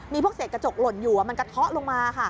มีกระจกหล่นอยู่มันกระทะลงมา